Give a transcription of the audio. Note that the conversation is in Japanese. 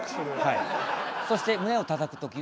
そして胸をたたく時ソフトに。